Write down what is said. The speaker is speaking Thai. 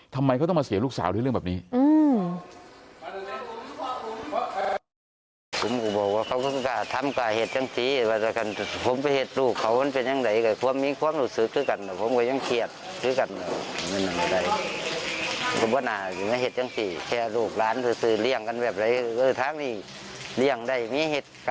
ทำไมเขาต้องมาเสียลูกสาวด้วยเรื่องแบบนี้